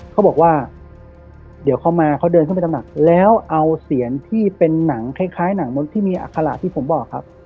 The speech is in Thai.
เขาบอกว่าเดี๋ยวเขามาเขาเดินเข้าไปตำหนักแล้วเอาเสียงที่เป็นหนังคล้ายหนังมกที่มีอัคระที่ผมบอกครับ